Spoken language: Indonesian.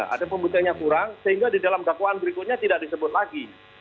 ada pembuktiannya kurang sehingga di dalam dakwaan berikutnya tidak disebut lagi